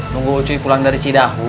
nunggu ocui pulang dari cidahu